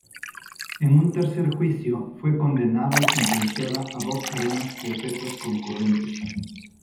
En un tercer juicio, fue condenada, y sentenciada a dos cadenas perpetuas concurrentes.